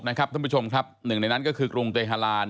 ท่านผู้ชมครับหนึ่งในนั้นก็คือกรุงเตฮาลาน